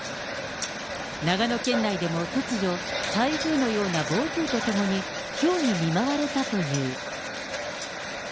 長野県内でも突如、台風のような暴風とともに、ひょうに見舞われたという。